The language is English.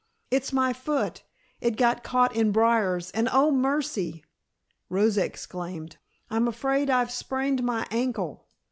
"It's my foot, it got caught in briars, and oh, mercy!" Rosa exclaimed, "I'm afraid I've sprained my ankle!"